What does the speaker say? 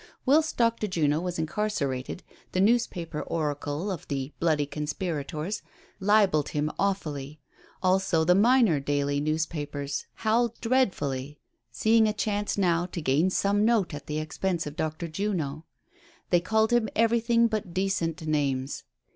Whilst Dr. Juno was incarcerated, the newspaper oracle of the bloody conspirators libeled him awfully ; also the minor daily newspapers howled dreadfully, seeing a chance now to gain some note at the expense of Dr. Juno. They called him everything but decent names.